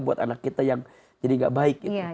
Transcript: buat anak kita yang jadi enggak baik